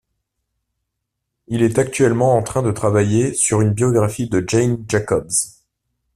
Il est actuellement en train de travailler sur une biographie de Jane Jacobs.